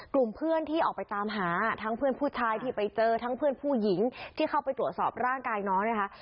กลุ่มเพื่อนที่ออกไปตามหาทั้งเพื่อนผู้ชายที่ไปเจอทั้งเพื่อนผู้หญิงที่เข้าไปตรวจสอบร่างกายน้องนะคะ